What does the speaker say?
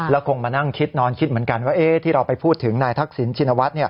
ละคงมานั่งคิดนอนคิดเหมือนกันที่เราไปพูดถึงนายธนชม